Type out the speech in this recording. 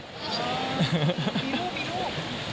อ๋อมีลูกมีลูก